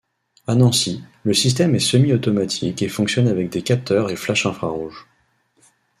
À Nancy, le système est semi-automatique et fonctionne avec des capteurs et flash infra-rouge.